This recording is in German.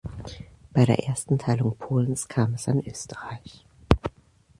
Bei der Ersten Teilung Polens kam es an Österreich.